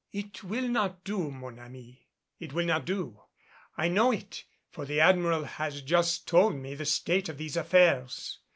"It will not do, mon ami, it will not do. I know it, for the Admiral has just told me the state of these affairs.